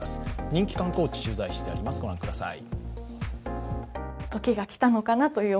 人気観光地、取材してあります、御覧ください。